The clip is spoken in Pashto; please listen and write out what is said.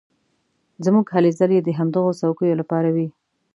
زموږ هلې ځلې د همدغو څوکیو لپاره وې.